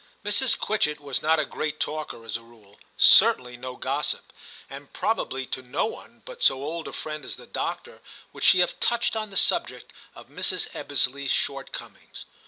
Mrs. Quitchett was not a great talker as a rule, certainly no gossip, and probably to no one but so old a friend as the doctor would she have touched on the subject of Mrs. Ebbesley's shortcomings.